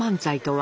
は！